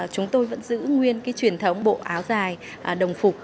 chúng tôi vẫn giữ nguyên cái truyền thống bộ áo dài đồng phục